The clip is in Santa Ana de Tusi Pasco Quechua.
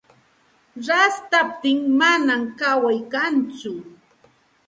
Rashtaptin manam kaway kantsu.